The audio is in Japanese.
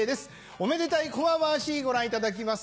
おめでたいこま回しご覧いただきます。